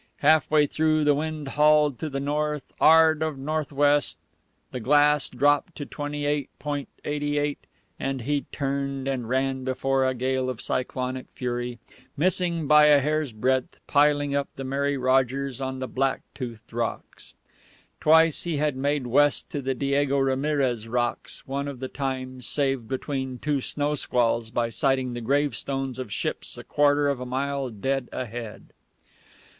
Halfway through, the wind hauled to the north 'ard of northwest, the glass dropped to 28.88, and he turned and ran before a gale of cyclonic fury, missing, by a hair's breadth, piling up the Mary Rogers on the black toothed rocks. Twice he had made west to the Diego Ramirez Rocks, one of the times saved between two snow squalls by sighting the gravestones of ships a quarter of a mile dead ahead.